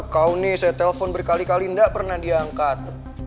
kau nih saya telpon berkali kali tidak pernah diangkat